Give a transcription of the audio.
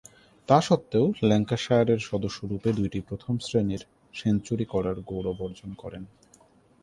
তাসত্ত্বেও, ল্যাঙ্কাশায়ারের সদস্যরূপে দুইটি প্রথম-শ্রেণীর সেঞ্চুরি করার গৌরব অর্জন করেন।